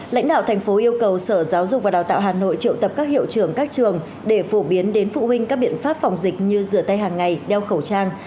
lãnh đạo thành phố yêu cầu sở giáo dục và đào tạo hà nội triệu tập các hiệu trưởng các trường để phổ biến đến phụ huynh các biện pháp phòng dịch như rửa tay hàng ngày đeo khẩu trang